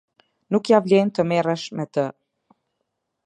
Nuk ja vlen të merresh me të.